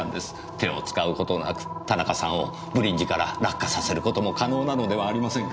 手を使う事なく田中さんをブリッジから落下させる事も可能なのではありませんか？